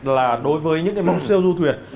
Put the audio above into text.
là đối với những cái mẫu siêu du thuyền